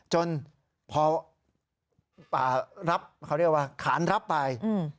จนพอขานรับไป